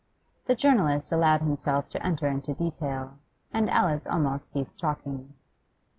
The journalist allowed himself to enter into detail, and Alice almost ceased talking.